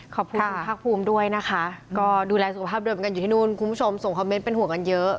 ขอบคุณคุณภาคภูมิด้วยนะคะก็ดูแลสุขภาพเดิมกันอยู่ที่นู่นคุณผู้ชมส่งคอมเมนต์เป็นห่วงกันเยอะ